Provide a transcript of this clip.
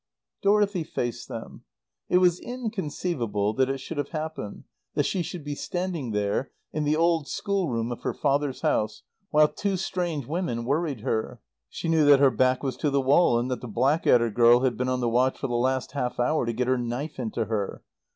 Dorothy faced them. It was inconceivable that it should have happened, that she should be standing there, in the old schoolroom of her father's house, while two strange women worried her. She knew that her back was to the wall and that the Blackadder girl had been on the watch for the last half hour to get her knife into her.